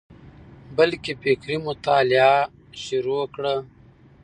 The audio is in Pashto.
بلکي فکري مطالعه شروع کړه،